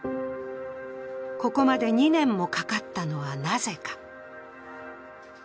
ここまで２年もかかったのは、なぜか。